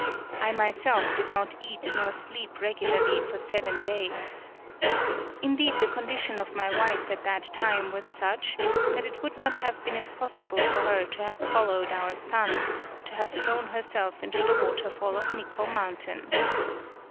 I myself did not eat nor sleep regularly for seven days. Indeed, the condition of my wife at that time was such that it would not have been impossible for her to have followed 144 TSUGARU STRAIT our son, to have thrown herself into the waterfall of Nikkwo mountain.